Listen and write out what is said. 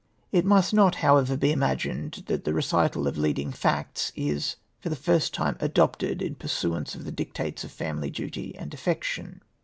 It must not, however, be imagined that the recital of leading facts, is for the first time adopted in pur suance of the dictates of family duty and affection.